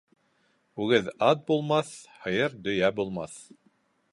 Үгеҙ ат булмаҫ, һыйыр дөйә булмаҫ